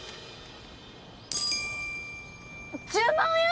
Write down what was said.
１０万円！？